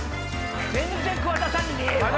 全然桑田さんに見えへんわ。